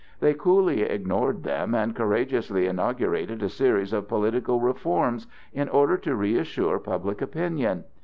They coolly ignored them and courageously inaugurated a series of political reforms in order to reassure public opinion.